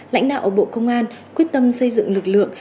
lãnh đạo bộ công an quyết tâm xây dựng lực lượng